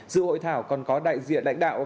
dự hội thảo còn có đại diện đảnh đạo